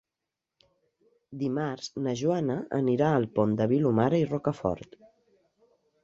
Dimarts na Joana anirà al Pont de Vilomara i Rocafort.